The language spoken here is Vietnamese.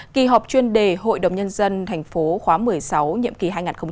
kỳ họp chuyên đề hội đồng nhân dân thành phố khóa một mươi sáu nhiệm kỳ hai nghìn hai mươi một hai nghìn hai mươi một